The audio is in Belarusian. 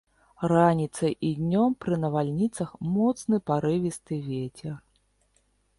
Раніцай і днём пры навальніцах моцны парывісты вецер.